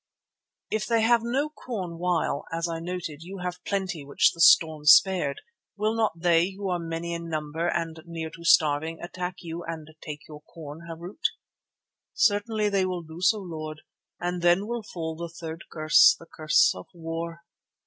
"If they have no corn while, as I noted, you have plenty which the storm spared, will not they, who are many in number but near to starving, attack you and take your corn, Harût?" "Certainly they will do so, Lord, and then will fall the third curse, the curse of war.